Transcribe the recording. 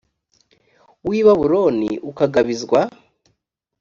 w i babuloni ukagab izwa